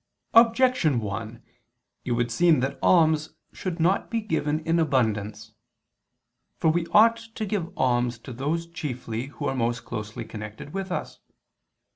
Objection 1: It would seem that alms should not be given in abundance. For we ought to give alms to those chiefly who are most closely connected with us.